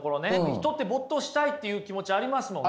人って没頭したいっていう気持ちありますもんね。